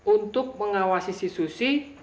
untuk mengawasi si susi